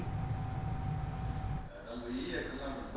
trong thời gian tới